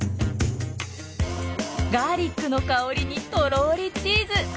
ガーリックの香りにとろりチーズ。